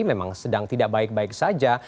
memang sedang tidak baik baik saja